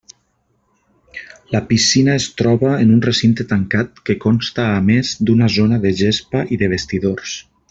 La piscina es troba en un recinte tancat que consta a més d'una zona de gespa i de vestidors.